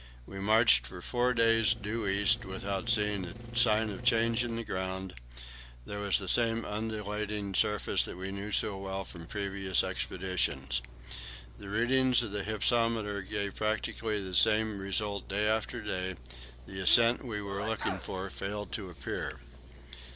We marched for four days due east without seeing a sign of change in the ground; there was the same undulating surface that we knew so well from previous expeditions. The readings of the hypsometer gave practically the same result day after day; the ascent we were looking for failed to appear.